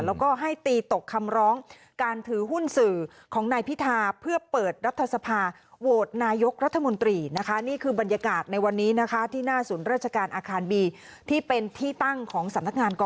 แล้วก็ให้ตีตกคำร้องการถือหุ้นสื่อของนายพิธา